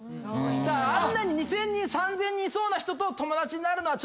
あんなに２，０００人３，０００人いそうな人と。